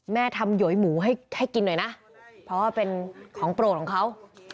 ทำหยหมูให้กินหน่อยนะเพราะว่าเป็นของโปรดของเขา